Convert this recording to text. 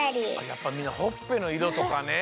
やっぱみんなほっぺのいろとかね。